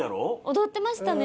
踊ってましたね。